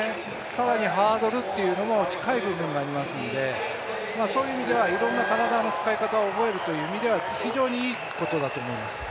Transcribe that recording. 更にハードルというのも近い部分がありますので、そういう意味ではいろんな体の使い方を覚えるという意味では非常にいいことだと思います。